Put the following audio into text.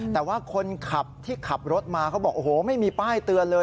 แต่ว่าคนขับที่ขับรถมาเขาบอกโอ้โหไม่มีป้ายเตือนเลย